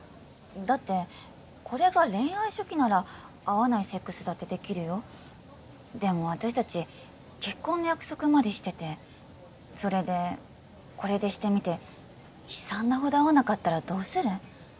だってこれが恋愛初期なら合わないセックスだってできるよでも私達結婚の約束までしててそれでこれでシてみて悲惨なほど合わなかったらどうする？